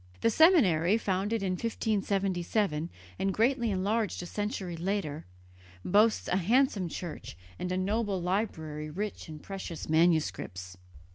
The seminary, founded in 1577 and greatly enlarged a century later, boasts a handsome church and a noble library rich in precious manuscripts.